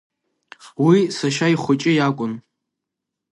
Уи сашьа ихәыҷы иакәын.